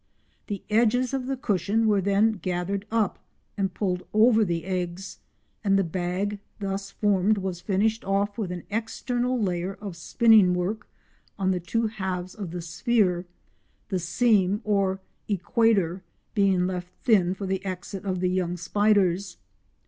The edges of the cushion were then gathered up and pulled over the eggs, and the bag thus formed was finished off with an external layer of spinning work on the two halves of the sphere, the seam or "equator" being left thin for the exit of the young spiders.